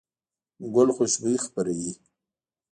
ګل خوشبويي خپروي.